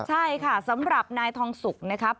ใช่ค่ะสำหรับนายทองสุกนะครับ